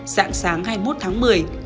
dạng sáng hai mươi một tháng một mươi